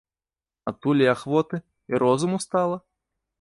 Адкуль і ахвоты, і розуму стала?